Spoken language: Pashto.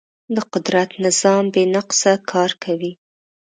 د قدرت نظام بې نقصه کار کوي.